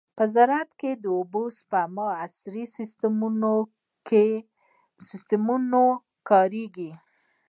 په زراعت کې د اوبو د سپما عصري سیستمونه نه کارېږي.